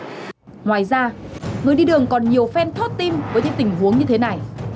ngoài ra người đi đường còn nhiều fan thót tim với những tình huống như thế này